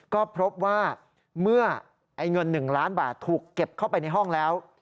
ก็พบว่าเมื่อเงิน๑ล้านบาทถูกเก็บเข้าไปในห้องแล้ว